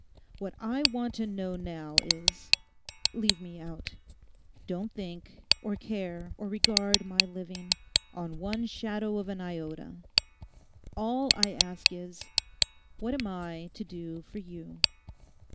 What I want to know now is—leave me out; don't think, or care, or regard my living on one shadow of an iota—all I ask is, What am I to do for you?